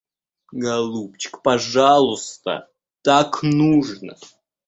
Голубчик, пожалуйста, так нужно.